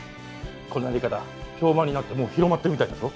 この売り方評判になってもう広まってるみたいだぞ。